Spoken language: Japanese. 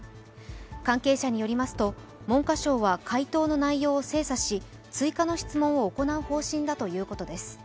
関係者によりますと、文科省は回答の内容を精査し追加の質問を行う方針だということです。